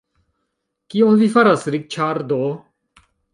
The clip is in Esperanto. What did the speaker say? Kion vi faras Riĉardo!